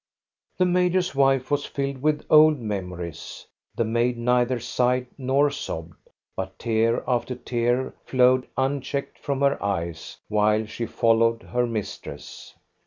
The major's wife was filled with old memories. The maid neither sighed nor sobbed, but tear after tear flowed unchecked from her eyes, while she followed her mistress.